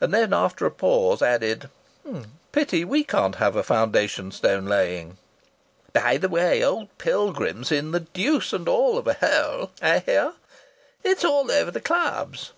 And then after a pause added: "Pity we can't have a foundation stone laying!" "By the way, old Pilgrim's in the deuce and all of a haole, I heah. It's all over the Clubs."